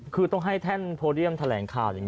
คือต้องให้แท่นโพเดียมทะแหลงข่าว